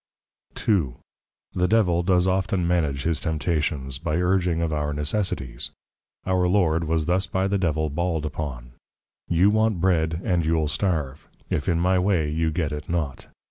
II. The Devil does often manage his temptations, by urging of our Necessities. Our Lord, was thus by the Devil bawl'd upon; _You want Bread, and you'll starve, if in my way you get it not.